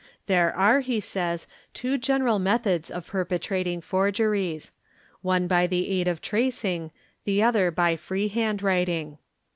There are, he says, two general methods of perpetrating forgeries; one by the aid of tracing, the other by free hand writing.